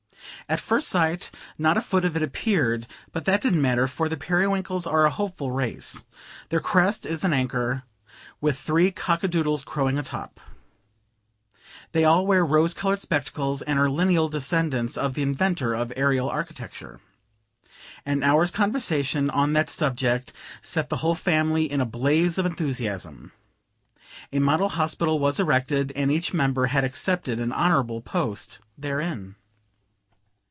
At first sight not a foot of it appeared, but that didn't matter, for the Periwinkles are a hopeful race; their crest is an anchor, with three cock a doodles crowing atop. They all wear rose colored spectacles, and are lineal descendants of the inventor of aerial architecture. An hour's conversation on the subject set the whole family in a blaze of enthusiasm. A model hospital was erected, and each member had accepted an honorable post therein.